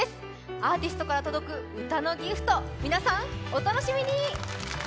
アーティストから届く歌のギフト皆さんお楽しみに！